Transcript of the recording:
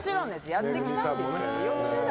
やってきたんです。